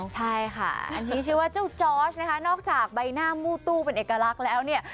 ใช่ค่ะอันนี้ชื่อว่าเจ้าจอร์สนะคะนอกจากใบหน้ามู้ตู้เป็นเอกลักษณ์แล้วเนี่ย